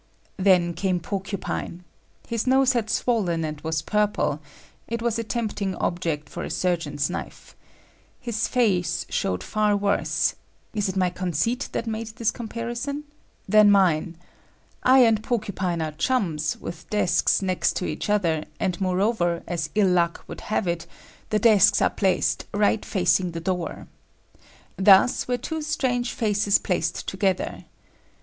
Then came Porcupine. His nose had swollen and was purple,—it was a tempting object for a surgeon's knife. His face showed far worse (is it my conceit that make this comparison?) than mine. I and Porcupine are chums with desks next to each other, and moreover, as ill luck would have it, the desks are placed right facing the door. Thus were two strange faces placed together.